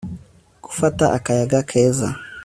Gufata akayaga keza